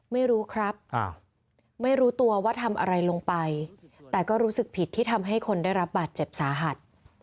ไม่รู้ครับไม่รู้ตัวว่าทำอะไรลงไปแต่ก็รู้สึกผิดที่ทำให้คนได้รับบาดเจ็บสาหัส